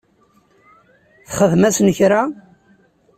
Txedmem-asen kra?